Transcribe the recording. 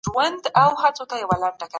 د ټولني د اصلاح لپاره کار وکړئ.